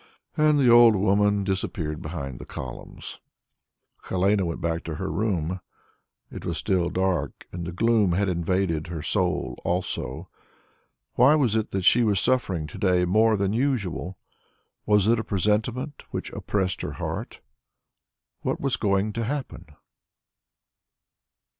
And the old woman disappeared behind the columns. Helene went back to her room. It was still dark, and the gloom had invaded her soul also. Why was it that she was suffering to day more than usual? Was it a presentiment which oppressed her heart? What was going to happen?